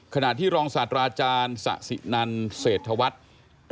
ขณะที่รองศาสตราอาจารย์สะสินันเศรษฐวัฒน์